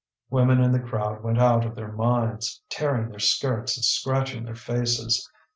Women in the crowd went out of their minds, tearing their skirts and scratching their faces.